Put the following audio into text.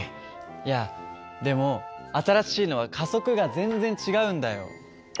いやでも新しいのは加速が全然違うんだよ。